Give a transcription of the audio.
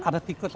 ada tikus satu